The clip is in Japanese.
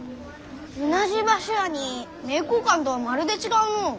同じ場所やに名教館とはまるで違うのう。